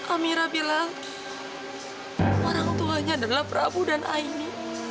amira bilang orang tuanya adalah prabu dan aini